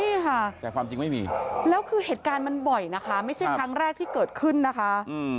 นี่ค่ะแต่ความจริงไม่มีแล้วคือเหตุการณ์มันบ่อยนะคะไม่ใช่ครั้งแรกที่เกิดขึ้นนะคะ